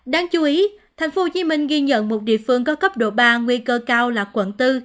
đáng chú ý tp hcm ghi nhận một địa phương có cấp độ ba nguy cơ cao là quận bốn